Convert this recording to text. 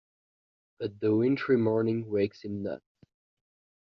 But the wintry morning wakes him not.